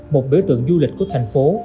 một biểu tượng du lịch của thành phố